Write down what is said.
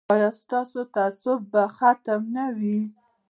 ایا ستاسو تعصب به ختم نه وي؟